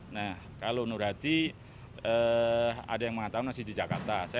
nah kalau nur hadi ada yang mengatakan masih di jakarta